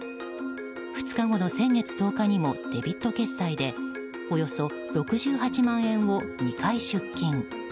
２日後の先月１０日にもデビット決済でおよそ６８万円を２回出金。